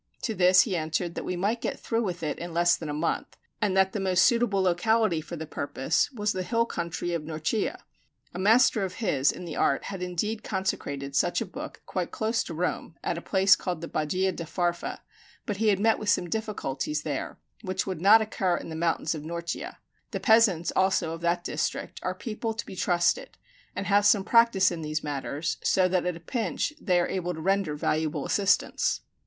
To this he answered that we might get through with it in less than a month, and that the most suitable locality for the purpose was the hill country of Norcia: a master of his in the art had indeed consecrated such a book quite close to Rome, at a place called the Badia di Farfa; but he had met with some difficulties there, which would not occur in the mountains of Norcia: the peasants also of that district are people to be trusted, and have some practice in these matters, so that at a pinch they are able to render valuable assistance.